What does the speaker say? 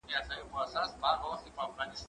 زه پرون پاکوالي ساتم وم!